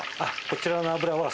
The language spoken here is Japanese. こちらの油は。